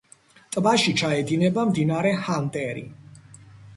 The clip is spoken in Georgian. ტბაში ჩაედინება მდინარე ჰანტერი.